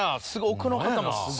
奥の方がすごい。